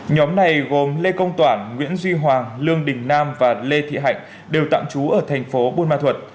nhóm này gồm lê công toản nguyễn duy hoàng lương đình nam và lê thị hạnh đều tạm trú ở thành phố buôn ma thuật